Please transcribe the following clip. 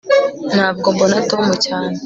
ntabwo mbona tom cyane